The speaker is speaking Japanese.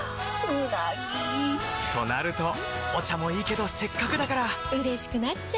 うなぎ！となるとお茶もいいけどせっかくだからうれしくなっちゃいますか！